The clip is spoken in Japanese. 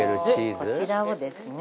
こちらをですね